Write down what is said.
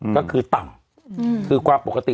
ก็คือต่ำคือความปกติ